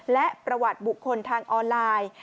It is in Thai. และประวัติบุคคลทางออนไลน์